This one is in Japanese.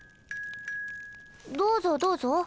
どうぞどうぞ。